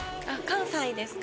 関西です。